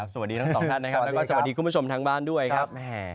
สวัสดีทั้งสองท่านนะครับแล้วก็สวัสดีคุณผู้ชมทางบ้านด้วยครับ